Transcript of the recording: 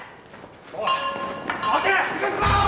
おい待て！